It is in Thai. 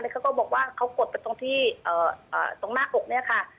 เขาก็บอกว่าเขากดไปตรงที่ตรงหน้าอกเนี่ยค่ะ